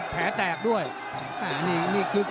ฝ่ายทั้งเมืองนี้มันตีโต้หรืออีโต้